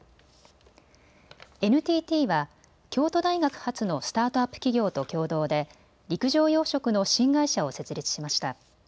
ＮＴＴは京都大学発のスタートアップ企業と共同で陸上養殖の新会社を設立しました。